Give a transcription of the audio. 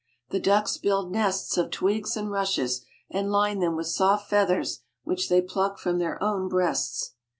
The ducks build nests of twigs and rushes, and line them with soft feathers which they pluck from their own breasts.